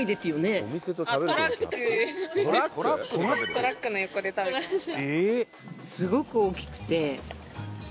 トラックの横で食べてました。